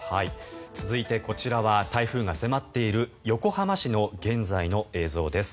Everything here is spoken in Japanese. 続いてこちらは台風が迫っている横浜市の現在の映像です。